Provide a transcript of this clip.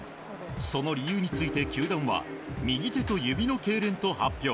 その理由について球団は右手と指のけいれんと発表。